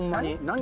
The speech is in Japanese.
何？